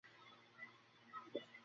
সমাজ আপনার ভাবনা আপনি ভাবুক গে।